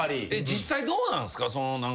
実際どうなんすか？